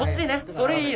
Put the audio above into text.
それいいや。